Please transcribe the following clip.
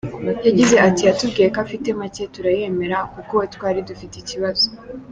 Yagize ati “Yatubwiye ko afite make, turayemera kuko twari dufite ikibazo, .